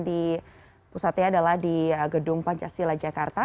di pusatnya adalah di gedung pancasila jakarta